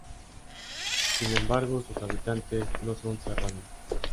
Sin embargo sus habitantes no son serranos.